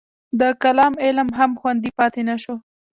د کلام علم هم خوندي پاتې نه شو.